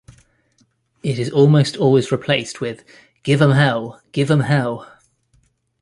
It is almost always replaced with Give 'em hell, give 'em hell!